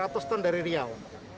seratus ton dari riau